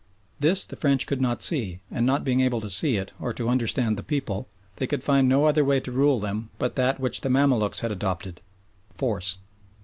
This the French could not see, and not being able to see it, or to understand the people, they could find no other way to rule them but that which the Mamaluks had adopted force.